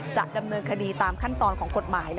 จะดำเนินคดีตามขั้นตอนของกฎหมาย